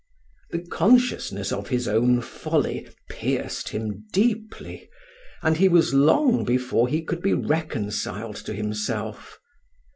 The consciousness of his own folly pierced him deeply, and he was long before he could be reconciled to himself.